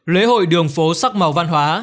lễ hội đường phố sắc màu văn hóa